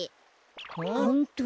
ホントだ。